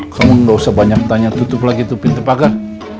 kamu nggak usah banyak tanya tutup lagi itu pintu pagar